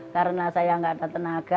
karena saya tidak ada tenaga